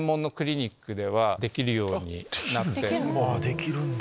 できるんだ。